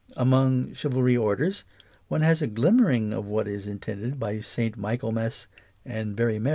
Among "Chivalry Orders " one has a glimmering of what is in tended by "Saint Michaelmas" and "Very vi.